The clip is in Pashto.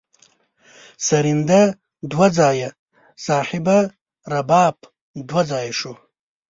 سرینده دوه ځایه صاحبه رباب دوه ځایه شو.